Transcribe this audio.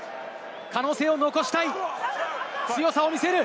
可能性を残したい、強さを見せる。